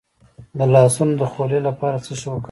د لاسونو د خولې لپاره څه شی وکاروم؟